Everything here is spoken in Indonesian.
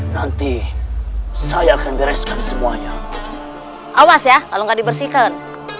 nanti saya akan bereskan semuanya awas ya kalau nggak dibersihkan